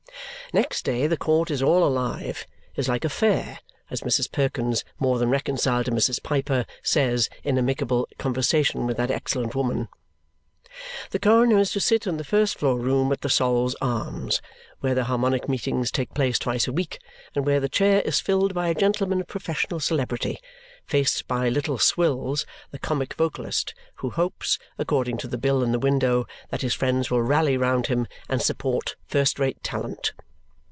Next day the court is all alive is like a fair, as Mrs. Perkins, more than reconciled to Mrs. Piper, says in amicable conversation with that excellent woman. The coroner is to sit in the first floor room at the Sol's Arms, where the Harmonic Meetings take place twice a week and where the chair is filled by a gentleman of professional celebrity, faced by Little Swills, the comic vocalist, who hopes (according to the bill in the window) that his friends will rally round him and support first rate talent.